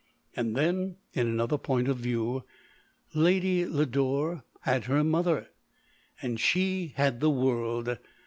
And then, in another point of view : Lady Lodore had her mother — and she had the world.